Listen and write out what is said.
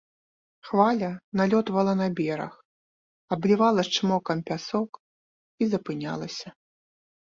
Хваля налётвала на бераг, аблівала з чмокам пясок і запынялася.